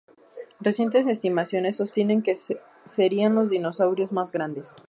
Recientes estimaciones sostienen que serian los dinosaurios mas grandes.